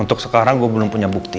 untuk sekarang gue belum punya bukti